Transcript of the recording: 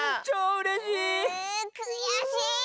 うくやしい！